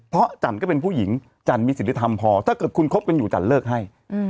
เพราะจันก็เป็นผู้หญิงจันมีศิลธรรมพอถ้าเกิดคุณคบกันอยู่จันเลิกให้